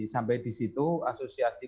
sampai disitu asosiasi